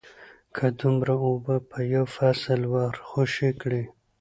که دومره اوبه په یو فصل ورخوشې کړې